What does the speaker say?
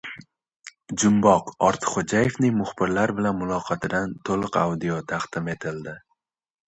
Jumboq. Ortiqxo‘jayevning muxbirlar bilan muloqotidan «to‘liq audio» taqdim etildi